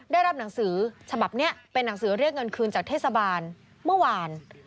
ได้รับหนังสือฉบับนี้เป็นหนังสือเรียกเงินคืนจากเทศบาลเมื่อวาน